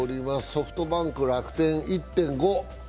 ソフトバンク、楽天１．５。